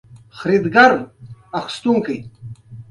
د نجونو تعلیم د ودونو ځنډ سبب دی.